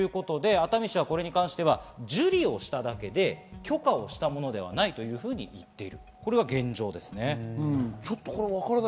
熱海市はこれに関して受理しただけで許可したものではないというふうに言っています。